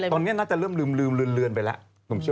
ตอนนี้น่าจะเริ่มลืมเลือนไปแล้ว